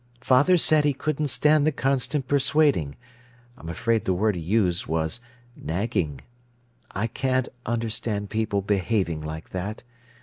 Father said he couldn't stand the constant persuading—I'm afraid the word he used was "nagging." I can't understand people behaving like that.